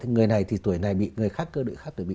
người này thì tuổi này bị người khác cơ địa khác tuổi bị